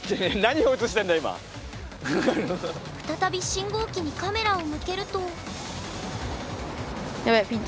再び信号機にカメラを向けると。